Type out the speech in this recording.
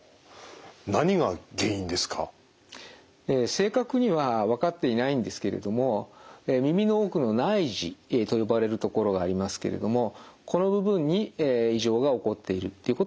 正確には分かっていないんですけれども耳の奥の内耳と呼ばれるところがありますけれどもこの部分に異常が起こっているっていうことは分かっています。